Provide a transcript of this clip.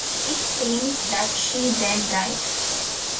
It seems that she then died.